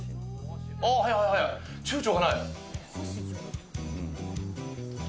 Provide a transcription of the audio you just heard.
おっ、早いちゅうちょがない。